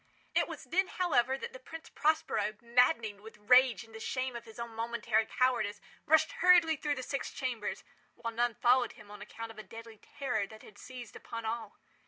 It was then, however, that the Prince Prospero, maddening with rage and the shame of his own momentary cowardice, rushed hurriedly through the six chambers, while none followed him on account of a deadly terror that had seized upon all.